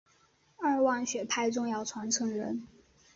二万学派重要传承人。